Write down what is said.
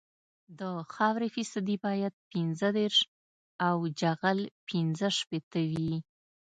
د خاورې فیصدي باید پنځه دېرش او جغل پینځه شپیته وي